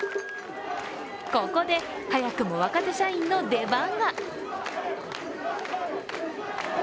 ここで早くも若手社員の出番が。